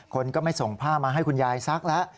คนก็ไม่ส่งผ้ามาให้คุณยายซักแล้ว